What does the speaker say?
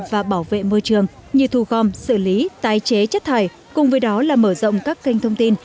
và bảo vệ môi trường như thu gom xử lý tái chế chất thải cùng với đó là mở rộng các kênh thông tin